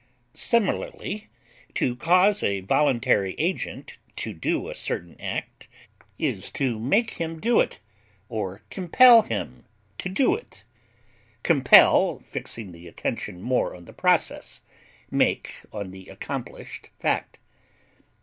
Similarly, to cause a voluntary agent to do a certain act is to make him do it, or compel him to do it, compel fixing the attention more on the process, make on the accomplished fact.